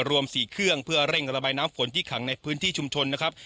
รวม๔เครื่องเพื่อเร่งระบายน้ำฝนที่ขังในพื้นที่ชุมชนนะครับ